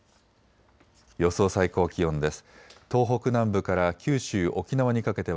予想最高気温です。